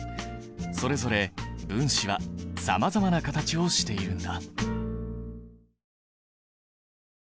それぞれ分子はさまざまな形をしているんだ。